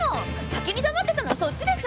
先に黙ってたのはそっちでしょ！